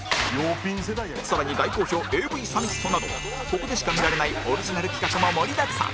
更に大好評 ＡＶ サミットなどここでしか見られないオリジナル企画も盛りだくさん